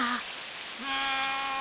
うん。